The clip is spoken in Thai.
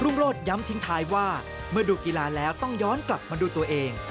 โรธย้ำทิ้งท้ายว่าเมื่อดูกีฬาแล้วต้องย้อนกลับมาดูตัวเอง